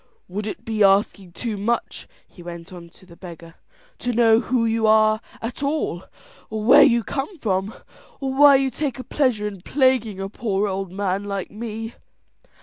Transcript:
"Would it be asking too much," he went on to the beggar, "to know who you are at all, or where you come from, or why you take a pleasure in plaguing a poor old man like me?"